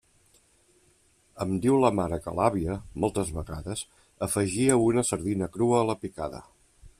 Em diu la mare que l'àvia, moltes vegades, afegia una sardina crua a la picada.